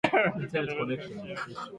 Kupika matembele kwa kuchemsha